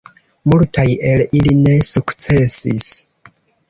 Multaj el ili ne sukcesis.